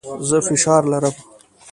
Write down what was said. زه فشار لرم.